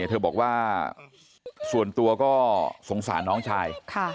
เธอบอกว่าส่วนตัวก็สงสารน้องชาย